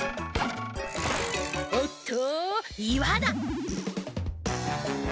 おっといわだ。